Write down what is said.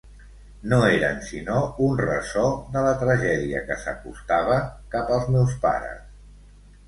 No eren sinó un ressò de la tragèdia que s'acostava cap als meus pares.